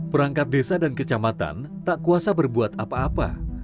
perangkat desa dan kecamatan tak kuasa berbuat apa apa